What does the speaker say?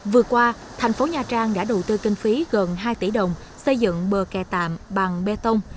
vừa qua thành phố nha trang đã đầu tư kinh phí gần hai tỷ đồng xây dựng bờ kè tạm bằng bê tông